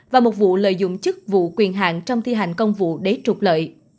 và một vụ lợi dụng chức vụ quyền hạn trong thi hành công vụ để trục lợi